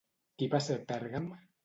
Qui va ser Pèrgam?